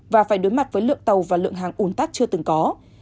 và phải đối mặt với lượng tàu và lượng hàng ồn tắc chưa từng có